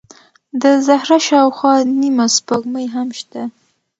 د زهره شاوخوا نیمه سپوږمۍ هم شته.